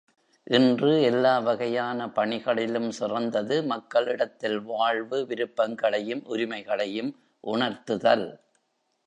இன்று எல்லா வகையான பணிகளிலும் சிறந்தது, மக்களிடத்தில் வாழ்வு விருப்பங்களையும் உரிமைகளையும் உணர்த்துதல்.